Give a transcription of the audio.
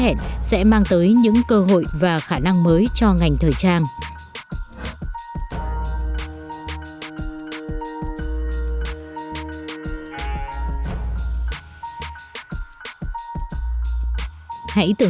hãy tưởng tượng một ngày nào đó chỉ cần một cái phẩy tay lập tức trang phục của bạn đã biến hóa thành nhiều màu sắc khác nhau theo ý muốn